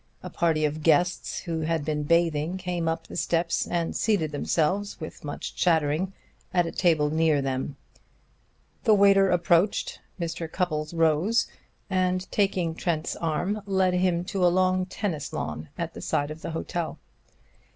A party of guests who had been bathing came up the steps and seated themselves, with much chattering, at a table near them. The waiter approached. Mr. Cupples rose, and taking Trent's arm led him to a long tennis lawn at the side of the hotel.